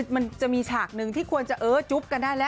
มันจะมีฉากหนึ่งที่ควรจะเออจุ๊บกันได้แล้ว